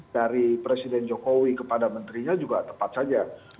dari presiden jokowi kepada menterinya juga tepat saja